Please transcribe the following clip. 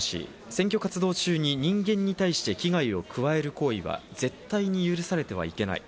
選挙活動中に人間に対して危害を加える行為は絶対に許されてはいけない。